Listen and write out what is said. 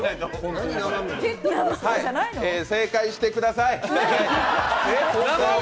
正解してください！